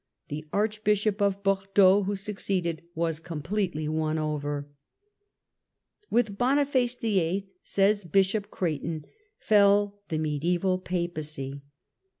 the Archbishop of Bordeaux who succeeded, was completely won over. "With Boniface VIII.," says Bishop Creighton, "fell the Papacy ^j^g MediEBval Papacy."